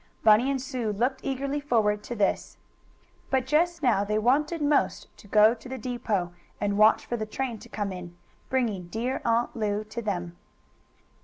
Bunny and Sue looked eagerly forward to this. But just now they wanted most to go to the depot, and watch for the train to come in, bringing dear Aunt Lu to them.